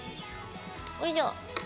おいしょ。